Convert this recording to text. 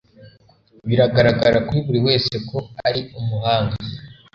Biragaragara kuri buri wese ko ari umuhanga